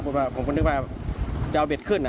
ว่าผมก็นึกว่าจะเอาเบ็ดขึ้น